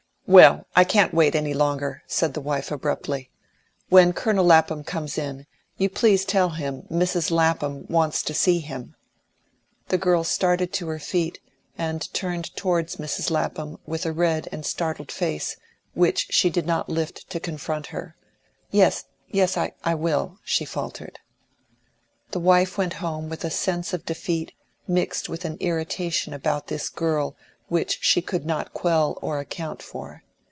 "Well, I can't wait any longer," said the wife abruptly. "When Colonel Lapham comes in, you please tell him Mrs. Lapham wants to see him." The girl started to her feet and turned toward Mrs. Lapham with a red and startled face, which she did not lift to confront her. "Yes yes I will," she faltered. The wife went home with a sense of defeat mixed with an irritation about this girl which she could not quell or account for.